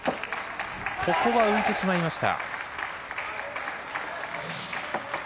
ここは浮いてしまいました。